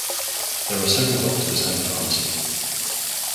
There are several doctors and a pharmacy.